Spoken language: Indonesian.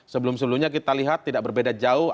sebelum sebelumnya kita lihat tidak berbeda jauh